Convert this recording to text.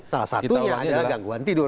salah satunya adalah gangguan tidur